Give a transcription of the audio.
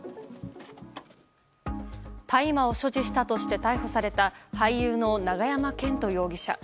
大麻を所持したとして逮捕された俳優の永山絢斗容疑者。